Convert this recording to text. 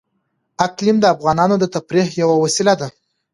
اقلیم د افغانانو د تفریح یوه وسیله ده.